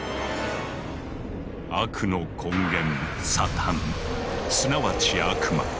悪の根源サタンすなわち悪魔。